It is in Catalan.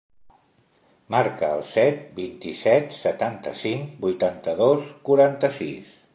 Marca el set, vint-i-set, setanta-cinc, vuitanta-dos, quaranta-sis.